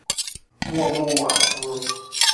沃穆瓦斯。